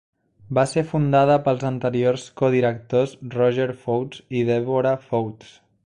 Va ser fundada pels anteriors codirectors Roger Fouts i Deborah Fouts.